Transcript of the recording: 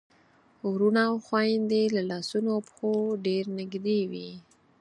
وروڼه او خويندې له لاسونو او پښو ډېر نږدې وي.